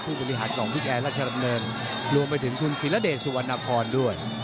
ผู้บริหารของวิทยาลักษณ์ราชละเนินรวมไปถึงคุณศิรดิสุวรรณคอนด้วย